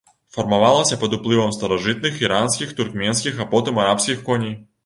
Фармавалася пад уплывам старажытных іранскіх, туркменскіх, а потым арабскіх коней.